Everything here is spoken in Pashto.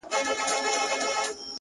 • نه به په خولو کي نه به په زړه یم,